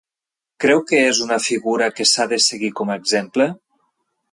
Creu que és una figura que s'ha de seguir com a exemple?